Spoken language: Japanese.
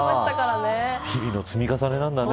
日々の積み重ねなんだな。